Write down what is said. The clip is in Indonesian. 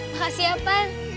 makasih ya pan